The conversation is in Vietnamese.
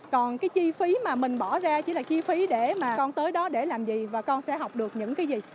còn cái chi phí mà mình bỏ ra chỉ là chi phí để mà con tới đó để làm gì và con sẽ học được những cái gì